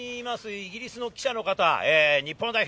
イギリスの記者の方、日本代表